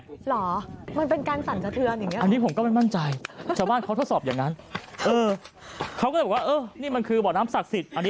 อันนี้ผมก็ไม่มั่นใจก็ตามที่บ่อน้ำศักดิ์สิทธิ์และมันคือบ่อน้ำศักดิ์สิทธิ์